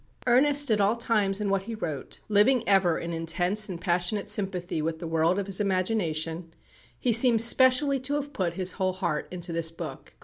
Earnest at all times in what he wrote, living ever in intense and passionate sympathy with the world of his imagination, he seems specially to have put his whole heart into this book.